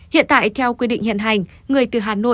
hiện tại theo quy định hiện hành